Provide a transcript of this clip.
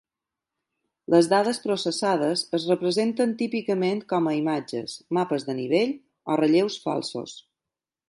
Les dades processades es representen típicament com a imatges, mapes de nivell o relleus falsos.